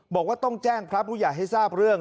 บอกว่าต้องแจ้งพระพุทธอย่างให้ทราบเรื่อง